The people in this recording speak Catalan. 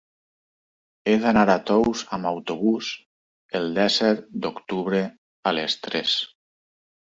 He d'anar a Tous amb autobús el disset d'octubre a les tres.